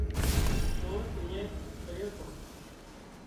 سور اڃين پڙيو ٺو